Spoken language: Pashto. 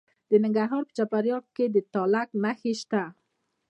د ننګرهار په چپرهار کې د تالک نښې شته.